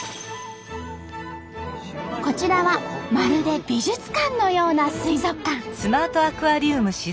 こちらはまるで美術館のような水族館。